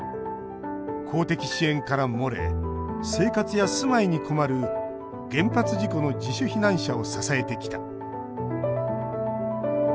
公的支援から漏れ生活や住まいに困る原発事故の自主避難者を支えてきた。